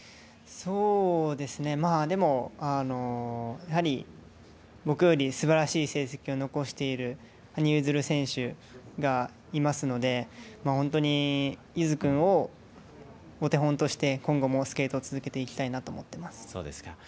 そうですねでも、やはり僕よりすばらしい成績を残している羽生結弦選手がいますので本当にゆづ君をお手本として今後もスケート続けていきたいなと思っています。